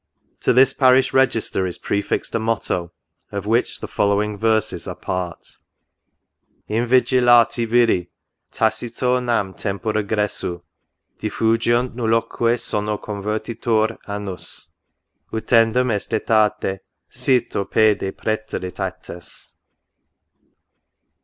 To this parish register is prefixed a motto, of which the following verses are a part. " Invigilate viri, tacito nam tempora gressu DifFugiunt, nulloque sono convertitur annus ; Utendum est etate, cito pede praeterit aetas."